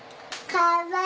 かわいい！